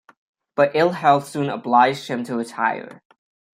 But ill health soon obliged him to retire.